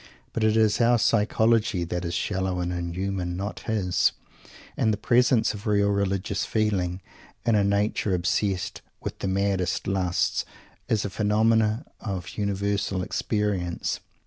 But it is our psychology that is shallow and inhuman, not his, and the presence of real religious feeling in a nature obsessed with the maddest lusts is a phenomenon of universal experience.